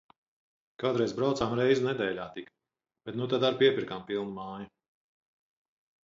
Kādreiz braucām reizi nedēļā tik. Bet nu tad ar’ piepirkām pilnu māju.